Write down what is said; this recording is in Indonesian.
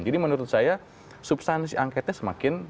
jadi menurut saya substansi angketnya semakin besar